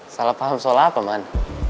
salah paham soal apa man